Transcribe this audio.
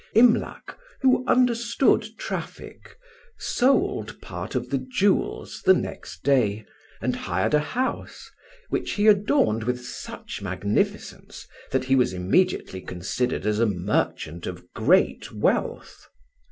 Imlac, who understood traffic, sold part of the jewels the next day, and hired a house, which he adorned with such magnificence that he was immediately considered as a merchant of great wealth.